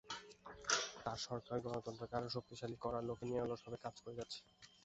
তাঁর সরকার গণতন্ত্রকে আরও শক্তিশালী করার লক্ষ্যে নিরলসভাবে কাজ করে যাচ্ছে।